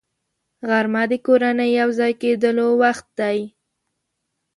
غرمه د کورنۍ یو ځای کېدلو وخت دی